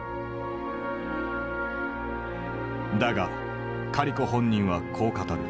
だがカリコ本人はこう語る。